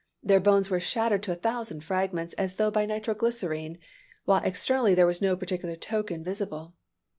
Their bones were shattered to a thousand fragments, as though by nitro glycerine; while externally there was no particular token visible.